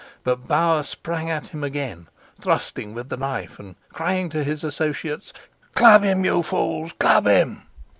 But Bauer sprang at him again, thrusting with the knife, and crying to his associates, "Club him, you fools, club him!"